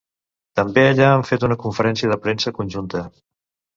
També allà han fet una conferència de premsa conjunta.